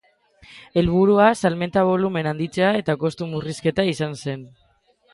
Helburua salmenta bolumen handitzea eta kostu murrizketa izan zen.